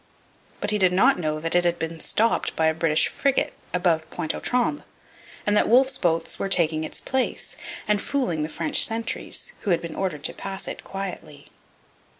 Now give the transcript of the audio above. But he did not know that it had been stopped by a British frigate above Pointe aux Trembles, and that Wolfe's boats were taking its place and fooling the French sentries, who had been ordered to pass it quietly.